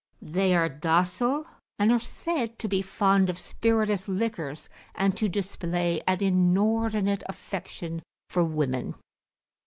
They [p.221] are docile, and are said to be fond of spirituous liquors, and to display an inordinate affection for women.